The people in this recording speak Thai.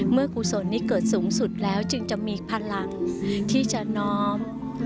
กุศลนี้เกิดสูงสุดแล้วจึงจะมีพลังที่จะน้อม